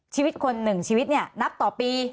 ชีวิตคนหนึ่งชีวิตเนี่ยนับต่อปี